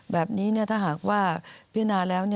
แบบนี้ถ้าหากว่าพิจารณาแล้ว